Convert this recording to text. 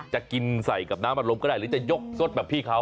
จะกินใส่กับน้ำอารมณ์ก็ได้หรือจะยกสดแบบพี่เขา